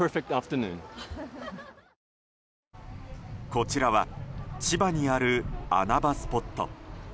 こちらは、千葉にある穴場スポット。